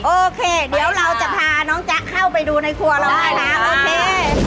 โอเคเดี๋ยวเราจะพาน้องจ๊ะเข้าไปดูในครัวเราได้นะโอเค